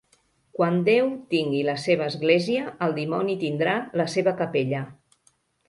Quan Déu tingui la seva església, el dimoni tindrà la seva capella.